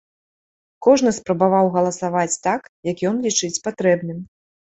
Кожны спрабаваў галасаваць так, як ён лічыць патрэбным.